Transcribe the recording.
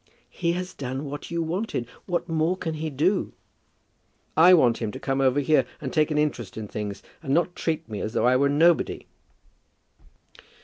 "He has done what you wanted. What more can he do?" "I want him to come over here, and take an interest in things, and not treat me as though I were nobody."